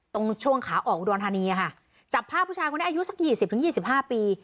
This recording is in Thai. ตรงช่วงขาออกอุดรธานีค่ะจับภาพผู้ชายคนนี้อายุสักยี่สิบถึงยี่สิบห้าปี